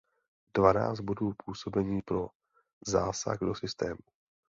Dvanáct bodů působení pro zásah do systému.